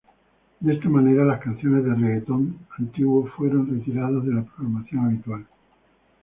De esta manera, las canciones de reggaeton antiguo fueron retiradas de la programación habitual.